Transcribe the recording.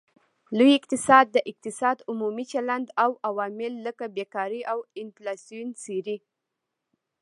لوی اقتصاد د اقتصاد عمومي چلند او عوامل لکه بیکاري او انفلاسیون څیړي